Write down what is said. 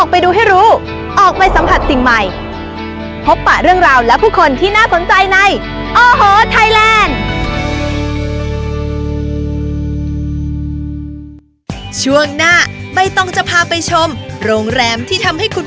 พบประเรื่องราวและผู้คนที่น่าสนใจในโอโหไทยแลนด์